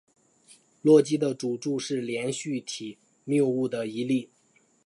洛基的赌注是连续体谬误的一例。